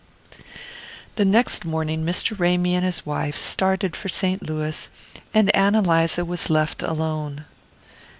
The next morning Mr. Ramy and his wife started for St. Louis, and Ann Eliza was left alone.